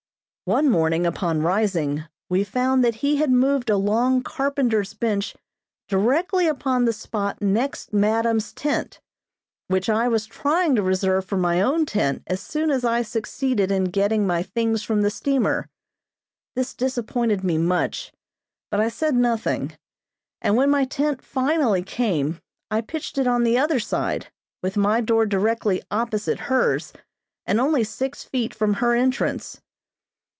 One morning, upon rising, we found that he had moved a long carpenter's bench directly upon the spot next madam's tent, which I was trying to reserve for my own tent as soon as I succeeded in getting my things from the steamer. This disappointed me much, but I said nothing; and when my tent finally came I pitched it on the other side, with my door directly opposite hers and only six feet from her entrance.